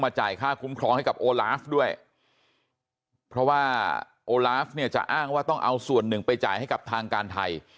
จ่ายค่าคุ้มครองให้กับโอลาฟด้วยเพราะว่าโอลาฟเนี่ยจะอ้างว่าต้องเอาส่วนหนึ่งไปจ่ายให้กับทางการไทย